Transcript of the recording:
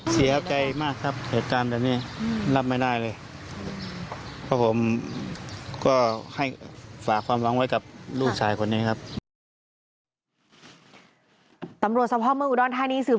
เสียใจมากครับเหตุการณ์แบบนี้